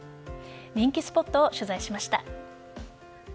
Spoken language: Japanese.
人気スポットを取材しました。